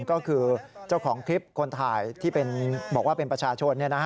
ก็คือเจ้าของคลิปคนถ่ายที่บอกว่าเป็นประชาชน